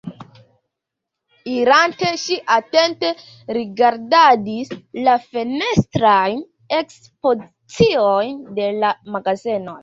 Irante, ŝi atente rigardadis la fenestrajn ekspoziciojn de la magazenoj.